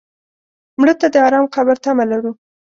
مړه ته د ارام قبر تمه لرو